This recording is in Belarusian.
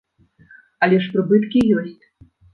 Але ж прыбыткі ёсць!